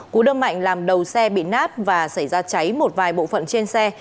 cú đâm mạnh làm đầu xe bị nát và xảy ra cháy một vài bộ phận trên xe